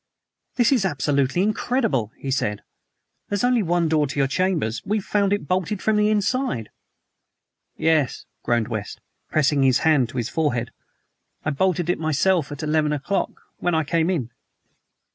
"This is absolutely incredible!" he said. "There's only one door to your chambers. We found it bolted from the inside." "Yes," groaned West, pressing his hand to his forehead. "I bolted it myself at eleven o'clock, when I came in."